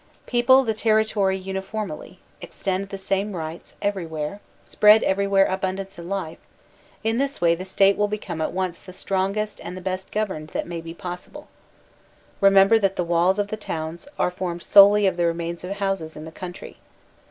People the territory uniformly, extend the same rights everywhere, spread everywhere abundance and life; in this way the State will become at once the strongest and the best governed that may be possible. Remember that the walls of the towns are formed solely of the remains of houses in the country.